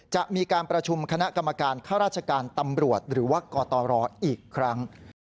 จะมีการประชุมคณะกรรมการข้าราชการตำรวจหรือว่ากตรอีกครั้ง